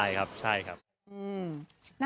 น่ารักน้อยผู้ชายอบอุ่นจัง